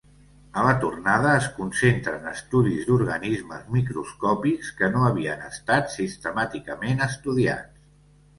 A la tornada es concentra en estudis d'organismes microscòpics, que no havien estat sistemàticament estudiats.